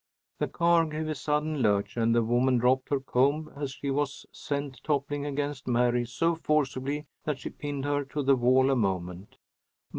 The car gave a sudden lurch, and the woman dropped her comb, as she was sent toppling against Mary so forcibly that she pinned her to the wall a moment.